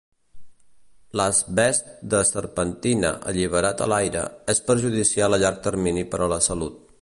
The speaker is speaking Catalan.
L'asbest de serpentina, alliberat a l'aire, és perjudicial a llarg termini per a la salut.